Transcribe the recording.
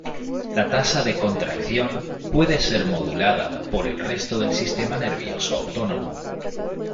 La tasa de contracción puede ser modulada, por el resto del sistema nervioso autónomo.